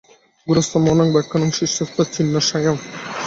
গুরোস্তু মৌনং ব্যাখ্যানং শিষ্যস্তু ছিন্নসংশয়াঃ।